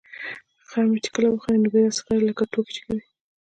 خر مې چې کله وخاندي نو بیا داسې ښکاري لکه ټوکې چې کوي.